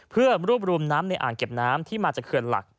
เพื่อรวบรวมน้ำในอ่างเก็บน้ำที่มาจากเขื่อนหลัก